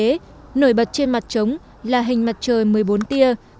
trống đồng ngọc lũ nổi bật trên mặt trống là hình mặt trời một mươi bốn tia